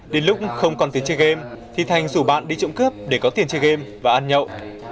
đến lúc không còn tiền chơi game thì thành rủ bạn đi trộm cướp để có tiền chơi game và ăn nhậu